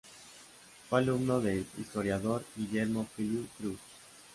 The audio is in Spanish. Fue alumno del historiador Guillermo Feliú Cruz.